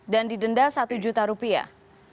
dan didenda satu juta rupiah